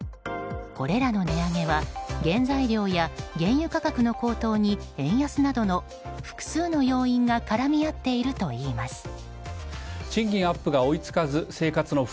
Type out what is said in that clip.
これらの値上げは原材料や原油価格の高騰に円安などの複数の要因が絡み合っているといいます。